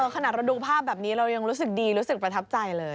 ขนาดเราดูภาพแบบนี้เรายังรู้สึกดีรู้สึกประทับใจเลย